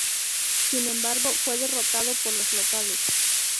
Sin embargo, fue derrotado por los locales.